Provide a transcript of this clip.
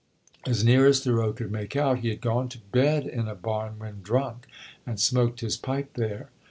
As near as Thoreau could make out, he had gone to bed in a barn when drunk, and smoked his pipe there.